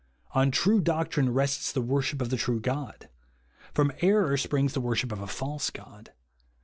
On true doctrine rests the worship of the true God. From error springs the worship of a false God.